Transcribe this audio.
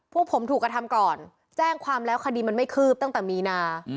พวกผมถูกกระทำก่อนแจ้งความแล้วคดีมันไม่คืบตั้งแต่มีนา